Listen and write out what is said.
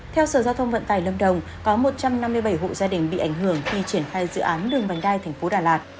theo sở giao thông vận tài lâm đồng có một trăm năm mươi bảy hộ gia đình bị ảnh hưởng khi triển khai dự án đường vành đai thành phố đà lạt